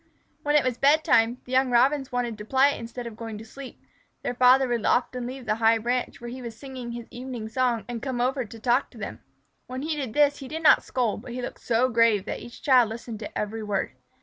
When it was bedtime, and the young Robins wanted to play instead of going to sleep, their father would often leave the high branch where he was singing his evening song and come over to talk to them. When he did this he did not scold, but he looked so grave that each child listened to every word.